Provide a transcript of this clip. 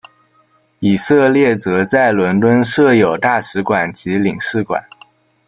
以色列则在伦敦设有大使馆及领事馆。